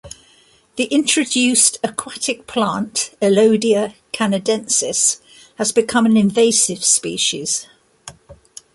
The introduced aquatic plant "Elodea canadensis" has become an invasive species.